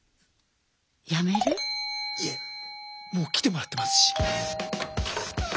いえもう来てもらってますし。